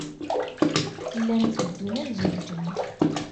Llan teddun ad zewǧen.